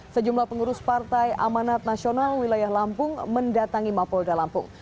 sejumlah pengurus partai amanat nasional wilayah lampung mendatangi mapolda lampung